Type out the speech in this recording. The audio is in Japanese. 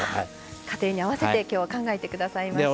家庭に合わせて今日は考えて下さいました。